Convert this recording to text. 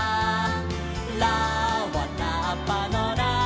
「『ラ』はラッパのラ」